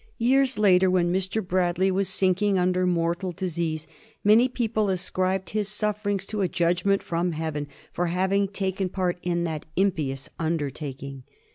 Years later, when Mr. Bradley was sinking under mortal disease, many peo ple ascribed his sufferings to a judgment from Heaven for having taken part in that " impious undertaking."